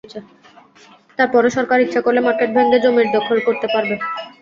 তার পরও সরকার ইচ্ছা করলে মার্কেট ভেঙে জমির দখল নিতে পারবে।